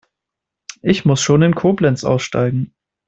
Ich muss schon in Koblenz aussteigen